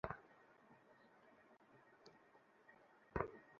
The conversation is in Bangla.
যা কাজে যা!